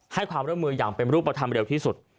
ให้ความร่วมมืออย่างเป็นรูปธรรมเร็วที่สุด